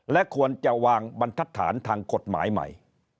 และควรจะวางบรรทัศนทางกฎหมายใหม่